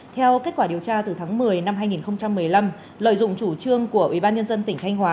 theo kết quả điều tra từ tháng một mươi năm hai nghìn một mươi năm lợi dụng chủ trương của ủy ban nhân dân tỉnh thanh hóa